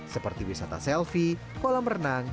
seperti wisata selfie kolam renang